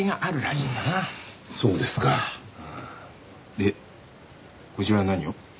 でこちらは何を？